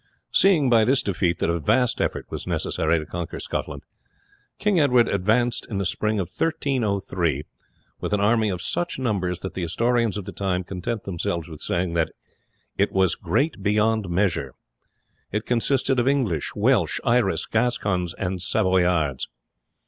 Seeing by this defeat that a vast effort was necessary to conquer Scotland, King Edward advanced in the spring of 1303 with an army of such numbers that the historians of the time content themselves with saying that "it was great beyond measure." It consisted of English, Welsh, Irish, Gascons, and Savoyards.